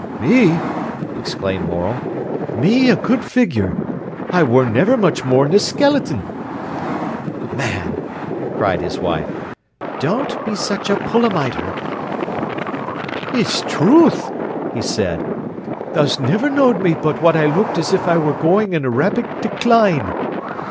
"Me!" exclaimed Morel—"me a good figure! I wor niver much more n'r a skeleton." "Man!" cried his wife, "don't be such a pulamiter!" "'Strewth!" he said. "Tha's niver knowed me but what I looked as if I wor goin' off in a rapid decline."